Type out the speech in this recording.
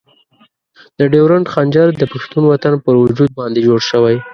د ډیورنډ خنجر د پښتون وطن پر وجود باندې جوړ شوی.